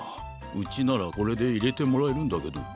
うちならこれでいれてもらえるんだけど。